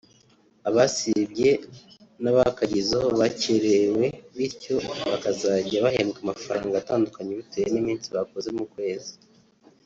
abasibye n’bakagezeho bakerewe bityo bakazajya bahembwa amafaranga atandukanye bitewe n’iminsi bakoze mu kwezi